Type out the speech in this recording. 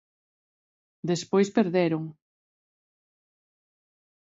Despois perderon.